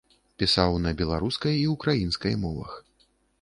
Пісаў на беларускай і ўкраінскай мовах.